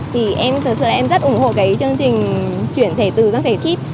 thì em thật sự là em rất ủng hộ cái chương trình chuyển thẻ từ các thẻ chip